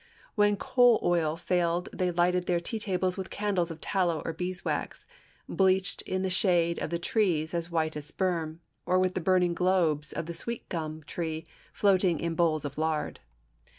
When coal oil failed they lighted their tea tables with candles of tallow or beeswax, bleached in the shade of the trees as white as sperm; or with burning globes of the sweet gum tree floating in bowls of lard.